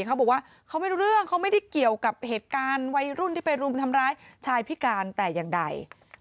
เขาบอกว่าเขาไม่รู้เรื่องเขาไม่ได้เกี่ยวกับเหตุการณ์วัยรุ่นที่ไปรุมทำร้ายชายพิการแต่อย่างใด